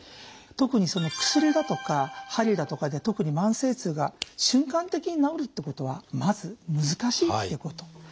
特に薬だとか鍼だとかで特に慢性痛が瞬間的に治るってことはまず難しいってこと。